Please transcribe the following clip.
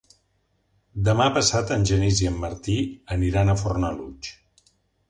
Demà passat en Genís i en Martí aniran a Fornalutx.